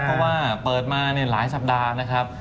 เพราะว่าเปิดมาหลายสัปดาห์นะครับ